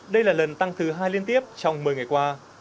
đây là lần tăng thứ hai liên tiếp trong một mươi ngày qua